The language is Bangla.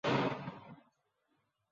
ওকে এখানে আসতে দেখলে, অন্য কোথাও চলে যাবে।